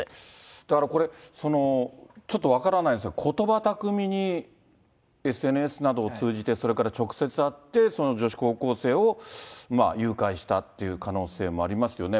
だからこれ、ちょっと分からないんですが、ことば巧みに、ＳＮＳなどを通じて、それから直接会って、女子高校生を誘拐したっていう可能性もありますよね。